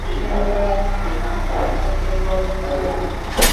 হিন্দুধর্ম আমিত্বকে বড় করে না।